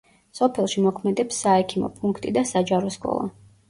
სოფელში მოქმედებს საექიმო პუნქტი და საჯარო სკოლა.